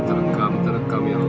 terdekat terdekat ya allah